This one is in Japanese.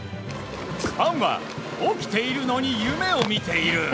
ファンは起きているのに夢を見ている。